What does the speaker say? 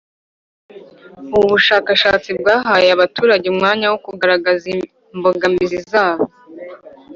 Ubu bushakashatsi bwahaye abaturage umwanya wo kugaragaza imbogamizi zabo